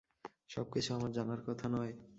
সব কিছু আমার জানার কথা নয়।